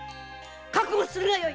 覚悟するがよい！